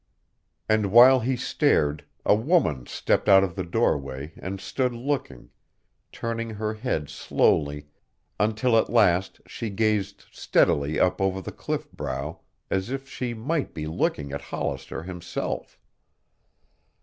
And while he stared a woman stepped out of the doorway and stood looking, turning her head slowly until at last she gazed steadily up over the cliff brow as if she might be looking at Hollister himself.